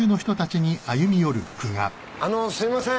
あのすいません。